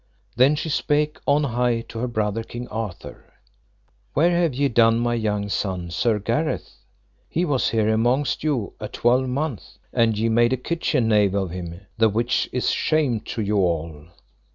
Then she spake on high to her brother King Arthur: Where have ye done my young son Sir Gareth? He was here amongst you a twelvemonth, and ye made a kitchen knave of him, the which is shame to you all.